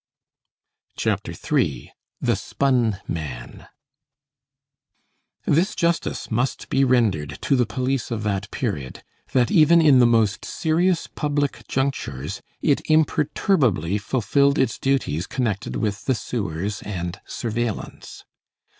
CHAPTER III—THE "SPUN" MAN This justice must be rendered to the police of that period, that even in the most serious public junctures, it imperturbably fulfilled its duties connected with the sewers and surveillance.